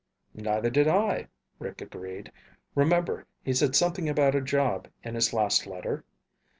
"Neither did I," Rick agreed. "Remember he said something about a job in his last letter?